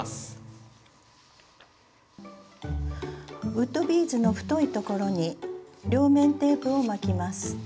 ウッドビーズの太い所に両面テープを巻きます。